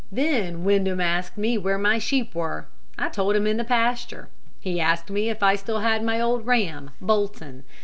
Then Windham asked me where my sheep were. I told him in the pasture. He asked me if I still had my old ram Bolton.